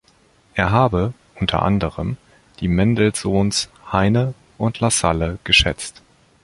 Er habe, unter anderem, die Mendelssohns, Heine und Lasalle geschätzt.